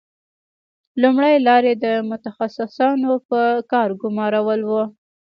لومړۍ لار یې د متخصصانو په کار ګومارل وو